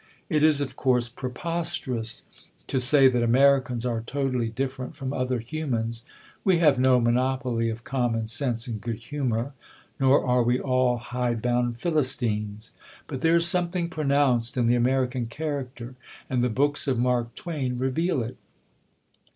It is, of course, preposterous to say that Americans are totally different from other humans; we have no monopoly of common sense and good humour, nor are we all hide bound Philistines. But there is something pronounced in the American character, and the books of Mark Twain reveal it.